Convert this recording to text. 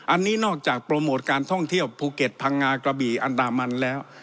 อันนี้นอกจากโปรโมทการท่องเที่ยวภูเก็ตพังงากระบี่อันดามันแล้ว